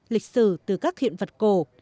lịch sử từ các hiện vật cổ